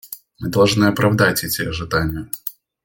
Мы должны оправдать эти ожидания.